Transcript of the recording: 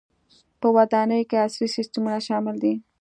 • په ودانیو کې عصري سیستمونه شامل شول.